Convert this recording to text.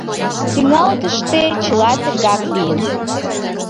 Тӱҥалтыште чыла тыгак лийын.